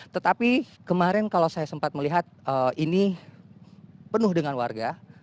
tetapi kemarin kalau saya sempat melihat ini penuh dengan warga